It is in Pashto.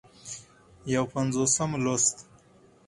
یو پينځوسم لوست